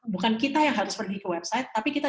bukan kita yang harus pergi ke website tapi kita